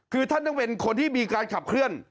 คือท่านต้องเป็นคนที่มีการขับเคลื่อน